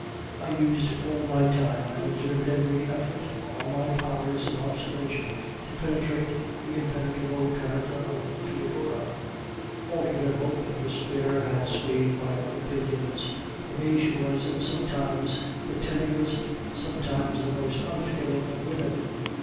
I used all my time, and exerted every effort and all my powers of observation, to penetrate the impenetrable character of Foedora. Alternate hope and despair had swayed my opinions; for me she was sometimes the tenderest, sometimes the most unfeeling of women.